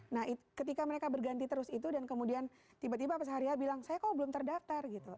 nah ketika mereka berganti terus itu dan kemudian tiba tiba pas haria bilang saya kok belum terdaftar gitu